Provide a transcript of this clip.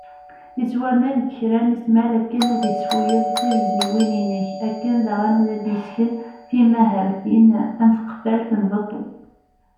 Ittwarna deg kra n ismal akken ad isfuγel tirziwin inek , akken daγen ad d-yesken timahaltin am tqefalt n beṭṭu